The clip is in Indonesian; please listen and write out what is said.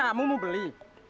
kamu mau beli